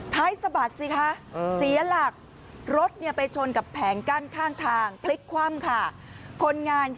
สะบัดสิคะเสียหลักรถไปชนกับแผงกั้นข้างทางพลิกคว่ำค่ะ